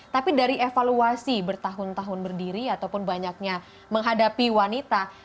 tapi dari evaluasi bertahun tahun berdiri ataupun banyaknya menghadapi wanita